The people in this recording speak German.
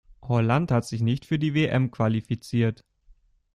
Holland hat sich nicht für die WM qualifiziert.